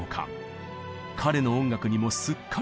彼の音楽にもすっかり夢中に。